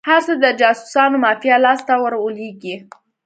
هر څه د جاسوسانو مافیا لاس ته ور ولویږي.